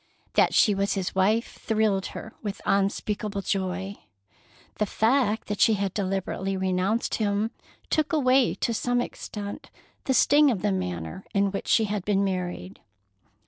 That she was his wife thrilled her with unspeakable joy. The fact that she had deliberately renounced him took away to some extent the sting of the manner in which she had been married.